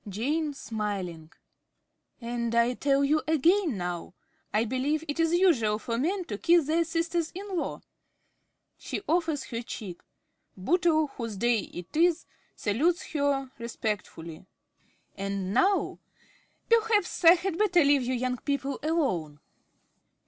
~Jane~ (smiling). And I tell you again now. I believe it is usual for men to kiss their sisters in law? (She offers her cheek. Bootle, whose day it is, salutes her respectfully.) And now (gaily) perhaps I had better leave you young people alone!